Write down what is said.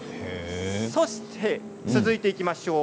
そして続いていきましょう。